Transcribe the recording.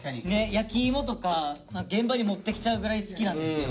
焼き芋とか現場に持ってきちゃうぐらい好きなんですよ。